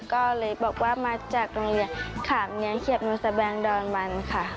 ก็เลยบอกว่ามาจากโรงเรียนขามเนียงเขียบหนูแสดงดอนวันค่ะ